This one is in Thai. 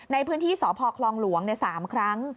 ในพื้นที่สพคลองหลวง๓ครั้ง